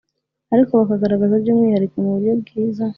ariko bakagaragaza by umwihariko mu buryo bwiza